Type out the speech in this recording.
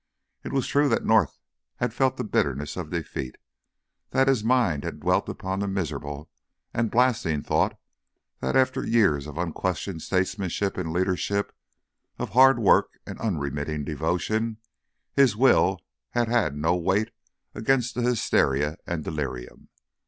It is true that North had felt the bitterness of defeat, that his mind had dwelt upon the miserable and blasting thought that after years of unquestioned statesmanship and leadership, of hard work and unremitting devotion, his will had had no weight against hysteria and delirium.